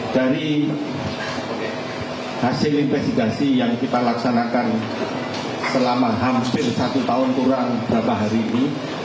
dari hasil investigasi yang kita laksanakan selama hampir satu tahun kurang beberapa hari ini